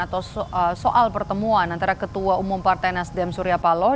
atau soal pertemuan antara ketua umum partai nasdem surya paloh